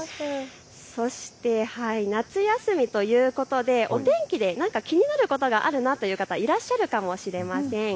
そして夏休みということでお天気で何か気になることがあるなという方いらっしゃっるかもしれません。